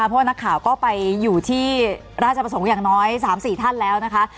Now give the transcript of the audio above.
เพราะว่านักข่าวก็ไปอยู่ที่ราชประสงค์อย่างน้อย๓๔ท่านแล้วนะคะ